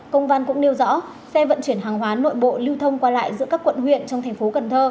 công văn cũng nêu rõ xe vận chuyển hàng hóa nội bộ lưu thông qua lại giữa các quận huyện trong tp cn